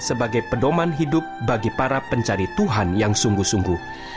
sebagai pedoman hidup bagi para pencari tuhan yang sungguh sungguh